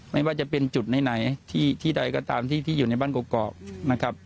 ไม่ว่าจะเป็นจุดไหนที่ใดก็ตามที่อยู่ในบ้านกรอกนะครับ